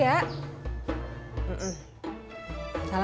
jam siapa ya